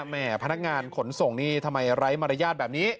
แม่พนักงานขนส่งนี่ทำไมไร้มารยาทแบบนี้